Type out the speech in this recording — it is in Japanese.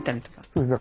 そうです。